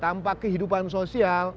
tanpa kehidupan sosial